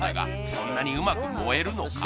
そんなにうまく燃えるのか？